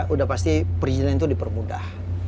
sudah pasti perjalanan itu dipermudah